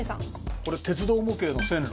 これ鉄道模型の線路。